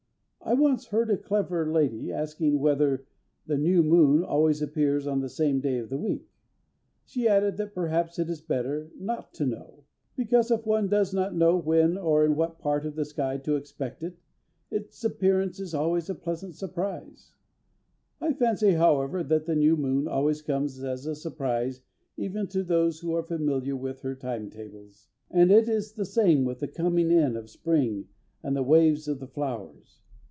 I once heard a clever lady asking whether the new moon always appears on the same day of the week. She added that perhaps it is better not to know, because, if one does not know when or in what part of the sky to expect it, its appearance is always a pleasant surprise. I fancy, however, the new moon always comes as a surprise even to those who are familiar with her time tables. And it is the same with the coming in of spring and the waves of the flowers.